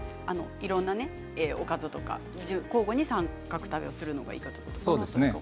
いろんなおかずとか交互に三角食べをするのがいいかということですが。